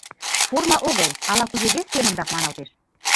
Форма огыл, ала-кузе вес семынрак маналтеш.